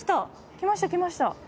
きました。